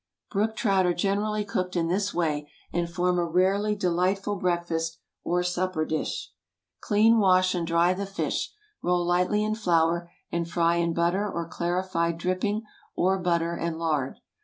Brook trout are generally cooked in this way, and form a rarely delightful breakfast or supper dish. Clean, wash, and dry the fish, roll lightly in flour, and fry in butter or clarified dripping, or butter and lard.